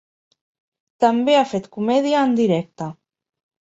També ha fet comèdia en directe.